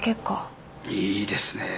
いいですねえ